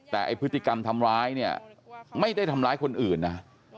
แต่ไอ้พฤติกรรมทำร้ายเนี่ยไม่ได้ทำร้ายคนอื่นนะ